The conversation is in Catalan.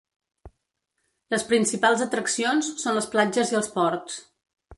Les principals atraccions són les platges i els ports.